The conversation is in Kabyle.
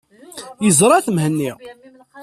Yeẓra-t Mhenni.